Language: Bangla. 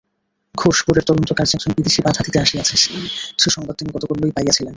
ঘোষপুরের তদন্তকার্যে একজন বিদেশী বাধা দিতে আসিয়াছে সে সংবাদ তিনি গতকল্যই পাইয়াছিলেন।